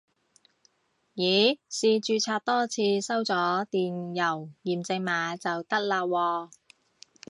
咦試註冊多次收咗電郵驗證碼就得喇喎